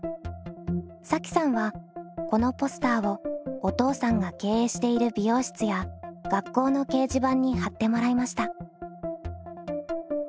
さきさんはこのポスターをお父さんが経営している美容室や学校の掲示板に貼ってもらいました。